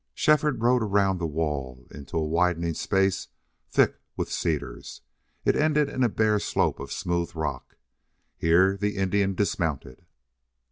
Shefford rode around the wall into a widening space thick with cedars. It ended in a bare slope of smooth rock. Here the Indian dismounted.